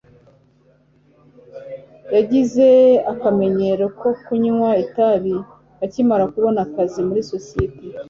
yagize akamenyero ko kunywa itabi akimara kubona akazi muri sosiyete